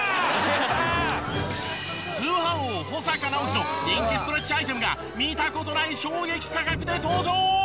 通販王保阪尚希の人気ストレッチアイテムが見た事ない衝撃価格で登場！